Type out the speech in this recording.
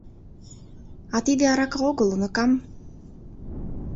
— А тиде арака огыл, уныкам.